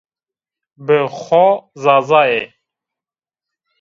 Bi xo zaza yê